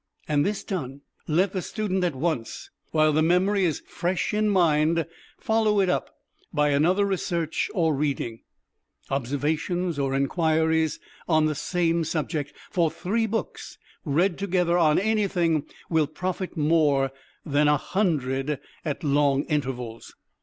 And this done, let the student at once, while the memory is fresh in mind, follow it up by other research or reading, observations or inquiries, on the same subject, for three books read together on anything will profit more than a hundred at long intervals.